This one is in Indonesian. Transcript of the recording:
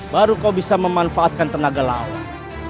baru kau bisa memanfaatkan tenaga laut